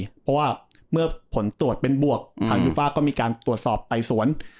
เพราะว่าเมื่อผลตรวจเป็นบวกทางยูฟ่าก็มีการตรวจสอบไต่สวน